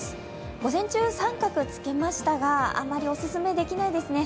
午前中、△つけましたが、あまりオススメできないですね。